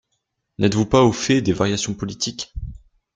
N'êtes-vous pas au fait des variations politiques.